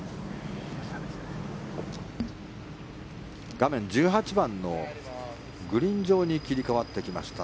画面、１８番のグリーン上に切り替わってきました。